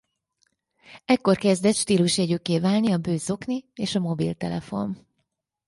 Ekkor kezdett stílusjegyükké válni a bő zokni és a mobiltelefon.